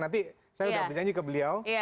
nanti saya sudah bernyanyi ke beliau